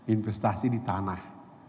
investasi di tanah